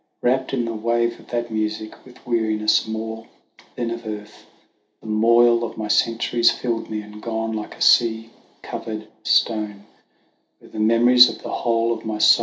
« Wrapt in the wave of that music, with weari ness more than of earth, The moil of my centuries filled me ; and gone like a sea covered stone Were the memories of the whole of my sorrow VOL.